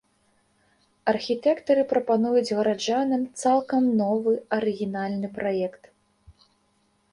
Архітэктары прапануюць гараджанам цалкам новы, арыгінальны праект.